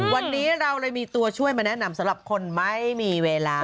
วันนี้เราเลยมีตัวช่วยมาแนะนำสำหรับคนไม่มีเวลา